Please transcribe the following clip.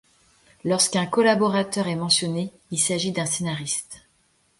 Lorsqu'un collaborateur est mentionné, il s'agit d'un scénariste.